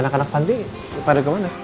anak anak panti pada kemana